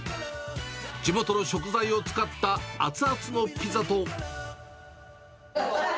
地元の食材を使った熱々のピザと。